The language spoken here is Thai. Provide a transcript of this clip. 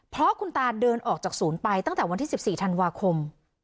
เพราะคุณตาเดินออกจากศูนย์ไปตั้งแต่วันที่๑๔ธันวาคม